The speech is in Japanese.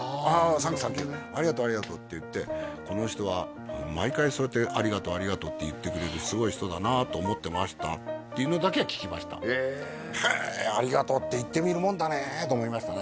サンキューありがとうありがとうって言ってこの人は毎回そうやってありがとうありがとうって言ってくれるすごい人だなと思ってましたっていうのだけは聞きましたへえへえありがとうって言ってみるもんだねと思いましたね